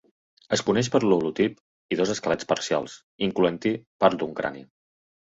Es coneix per l'holotip i dos esquelets parcials, incloent-hi part d'un crani.